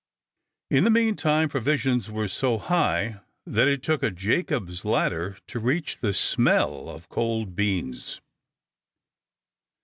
In the meantime provisions were so high that it took a Jacob's ladder to reach the smell of cold beans.